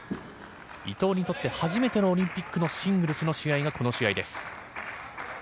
伊藤にとって初めてのオリンピックのシングルスの試合がこの試合です。